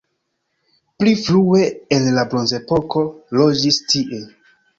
Pli frue en la bronzepoko loĝis tie.